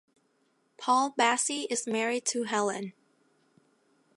Paul Bassey is married to Helen.